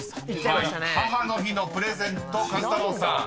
［母の日のプレゼント壱太郎さん］